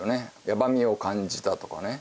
「やばみを感じた」とかね